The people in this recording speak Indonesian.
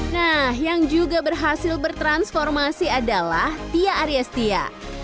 nah yang juga berhasil bertransformasi adalah tia ariestia